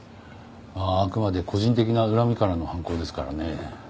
まああくまで個人的な恨みからの犯行ですからね。